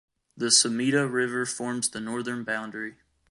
The Sumida River forms the northern boundary.